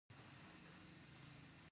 زیات کسان د لور پرمختګ نه خوښوي.